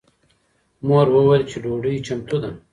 مور وویل چې ډوډۍ چمتو ده.